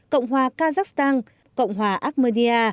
cộng hòa kazakhstan cộng hòa armenia